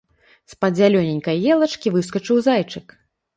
З-пад зялёненькай елачкі выскачыў зайчык.